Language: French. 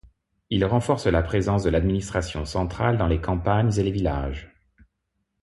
Il renforce la présence de l'administration centrale dans les campagnes et les villages.